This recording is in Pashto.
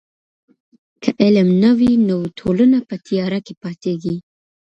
که علم نه وي نو ټولنه په تیاره کي پاتیږي.